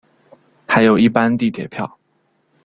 还有一般地铁票